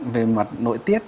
về mặt nội tiết